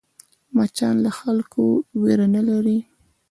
مچان له خلکو وېره نه لري